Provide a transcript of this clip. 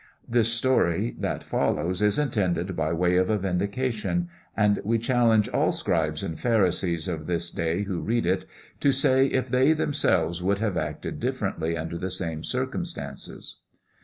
This story that follows is intended by way of a vindication, and we challenge all scribes and pharisees of this day who read it to say if they themselves would have acted differently under the same circumstances.